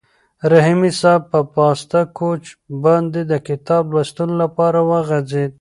رحیمي صیب په پاسته کوچ باندې د کتاب لوستلو لپاره وغځېد.